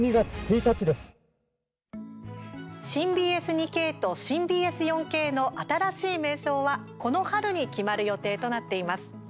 新ＢＳ２Ｋと新ＢＳ４Ｋの新しい名称はこの春に決まる予定となっています。